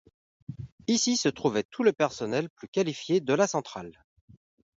Ici se trouvait tout le personnel plus qualifié de la centrale.